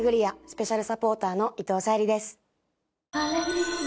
スペシャルサポーターの伊藤沙莉です。